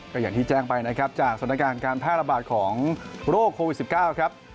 ก็อย่างที่แจ้งไปนะครับจากสถานการณ์การแพร่ระบาดของโรคโควิด๑๙ครับ